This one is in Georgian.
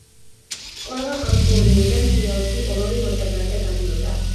ყველა ამ ტურნირიდან ფინალში ორ-ორი მოჭადრაკე გადიოდა.